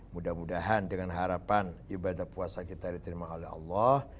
mudah mudahan dengan harapan ibadah puasa kita diterima oleh allah